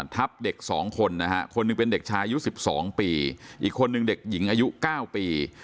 ทับเด็ก๒คนนะฮะคนหนึ่งเป็นเด็กชายอายุ๑๒ปีอีกคนนึงเด็กหญิงอายุ๙ปี